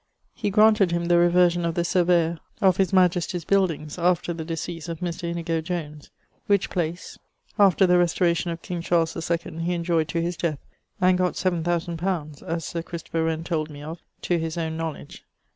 He graunted him the reversion of the surveyor of his majestie's buildings, after the decease of Mr. Inigo Jones; which place, after the restauration of King Charles II he enjoyed to his death, and gott seaven thousand pounds, as Sir Christopher Wren told me of, to his owne knowledge.